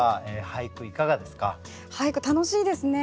俳句楽しいですね。